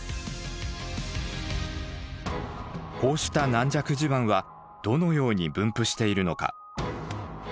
こうした軟弱地盤はどのように分布しているのか。